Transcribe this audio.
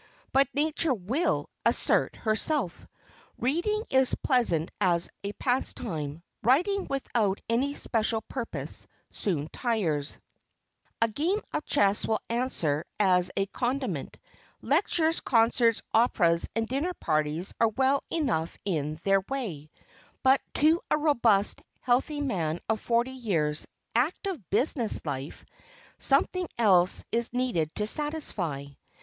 But Nature will assert herself. Reading is pleasant as a pastime; writing without any special purpose soon tires; a game of chess will answer as a condiment; lectures, concerts, operas, and dinner parties are well enough in their way; but to a robust, healthy man of forty years' active business life, something else is needed to satisfy.